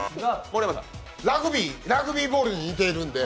ラグビー、ラグビーボールに似てるので。